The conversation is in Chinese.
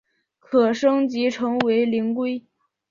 可升级成为灵龟。